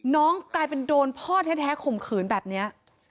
น้องกลายเป็นโดนพ่อแท้ข่มขืนแบบนี้